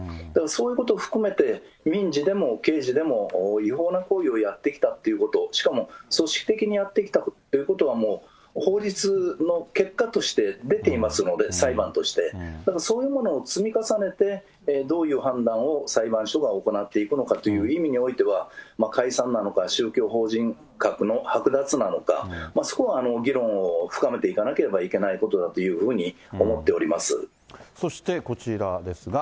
そういうことを含めて、民事でも刑事でも違法な行為をやってきたっていうこと、しかも組織的にやってきたということはもう、法律の結果として出ていますので、裁判として、だからそういうものを積み重ねて、どういう判断を裁判所が行っていくのかという意味においては、解散なのか、宗教法人格の剥奪なのか、そこを議論を深めていかなければいけないことだというふうに思っそしてこちらですが。